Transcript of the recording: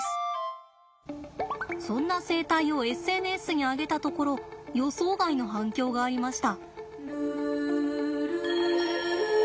そんな生態をＳＮＳに上げたところ予想外の反響がありました。